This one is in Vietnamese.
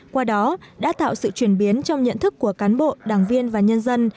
qua đó đã tạo sự chuyển biến trong nhận thức của cán bộ đảng viên và nhân dân